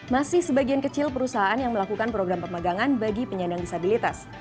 masih sebagian kecil perusahaan yang melakukan program pemagangan bagi penyandang disabilitas